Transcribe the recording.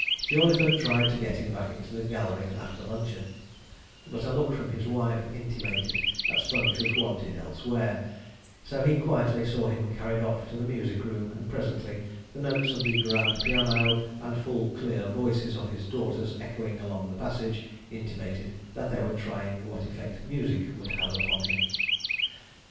Jawleyford tried to get him back to the gallery after luncheon, but a look from his wife intimated that Sponge was wanted elsewhere, so he quietly saw him carried off to the music room; and presently the notes of the 'grand piano,' and full clear voices of his daughters, echoing along the passage, intimated that they were trying what effect music would have upon him.